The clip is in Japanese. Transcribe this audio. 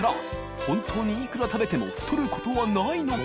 稻榲筿いくら食べても太ることはないのか？